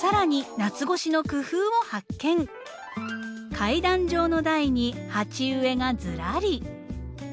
階段状の台に鉢植えがずらり。